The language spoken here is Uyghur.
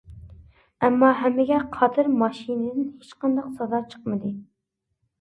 ئەمما ھەممىگە قادىر ماشىنىدىن ھېچقانداق سادا چىقمىدى.